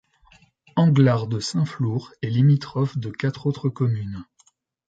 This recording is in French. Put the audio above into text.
Anglards-de-Saint-Flour est limitrophe de quatre autres communes.